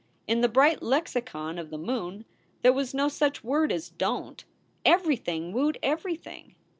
In the bright lexicon of the moon there was no such word as "Don t!" Everything wooed everything.